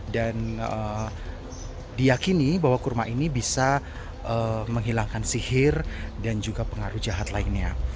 dan diakini bahwa kurma ini bisa menghilangkan sihir dan juga pengaruh jahat lainnya